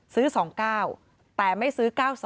ซื้อ๒๙แต่ไม่ซื้อ๙๒